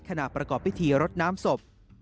ขณะประกอบพิธีรดน้ำศพ